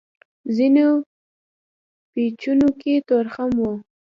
ځينو پېچونو کې تورتم و.